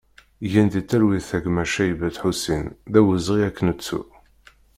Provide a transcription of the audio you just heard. Gen di talwit a gma Caybet Ḥusin, d awezɣi ad k-nettu!